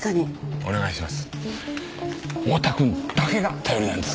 お願いします。